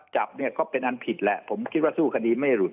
จับเนี่ยก็เป็นอันผิดแหละผมคิดว่าสู้คดีไม่หลุด